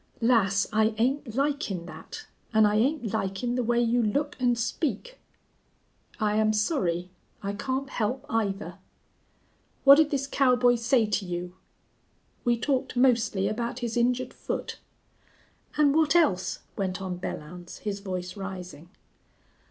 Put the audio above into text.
"Lass, I ain't likin' thet, an' I ain't likin' the way you look an' speak." "I am sorry. I can't help either." "What'd this cowboy say to you?" "We talked mostly about his injured foot." "An' what else?" went on Belllounds, his voice rising.